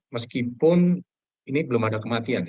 meskipun ini belum ada kematian